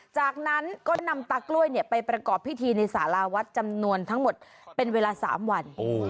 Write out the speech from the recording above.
จากนั้นก็นำตากล้วยไปประกอบพิธีในสาราวัดจำนวนทั้งหมดเป็นเวลา๓วัน